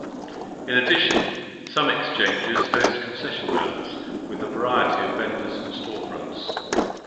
In addition, some Exchanges host concession malls with a variety of vendors and storefronts.